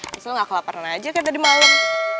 misalnya gak kelaparan aja kan tadi malam